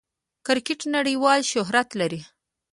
کرکټ نړۍوال شهرت لري.